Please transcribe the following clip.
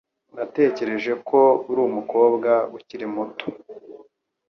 Natekereje ko uri umukobwa ukiri muto.